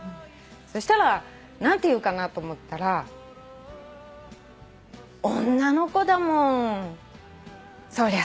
そしたら何て言うかなと思ったら女の子だもんそりゃ